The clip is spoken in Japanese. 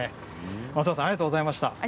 松原さんありがとうございました。